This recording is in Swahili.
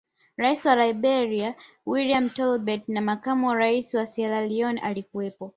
Rais wa Liberia William Tolbert na makamu wa Rais wa sierra Leone alikuwepo